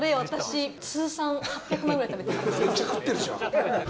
めっちゃ食ってるじゃん。